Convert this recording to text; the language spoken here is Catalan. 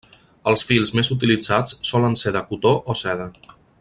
Els fils més utilitzats solen ser de cotó o seda.